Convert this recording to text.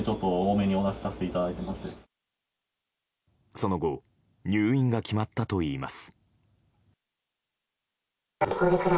その後入院が決まったといいます。